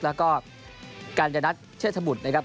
แล้วก็การจะนัดเชื่อทบุตรนะครับ